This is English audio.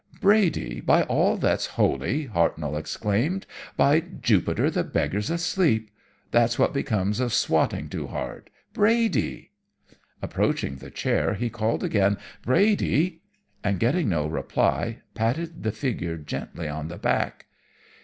"'Brady, by all that's holy,' Hartnoll exclaimed. 'By Jupiter, the beggar's asleep. That's what comes of swotting too hard! Brady!' "Approaching the chair he called again, 'Brady!' and getting no reply, patted the figure gently on the back.